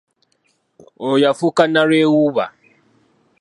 Oyo yafuuka nalwewuuba.